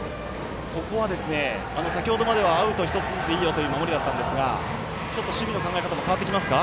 ここは先ほどまではアウト１つずつでいいよという守りだったんですがちょっと守備の考え方も変わってきますか？